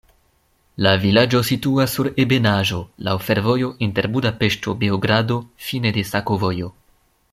La vilaĝo situas sur ebenaĵo, laŭ fervojo inter Budapeŝto-Beogrado, fine de sakovojo.